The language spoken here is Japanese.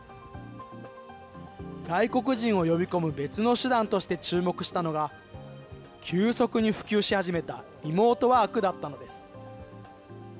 外国人を呼び込む別の手段として注目したのが、急速に普及し始めたリモートワークだったのです。